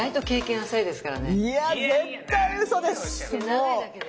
長いだけで。